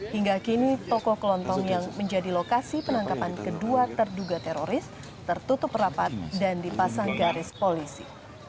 hingga kini toko kelontong yang menjadi lokasi penangkapan kedua terduga teroris tertutup rapat dan dipasang garis polisi